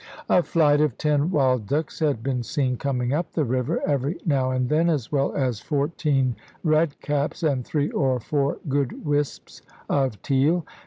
A flight of ten wild ducks had been seen coming up the river, every now and then, as well as fourteen red caps, and three or four good wisps of teal.